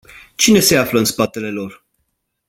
Cine se află în spatele lor?